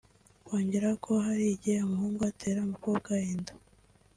Bongeraho ko hari igihe umuhungu atera umukobwa inda